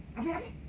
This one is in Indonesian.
apai apai apai apai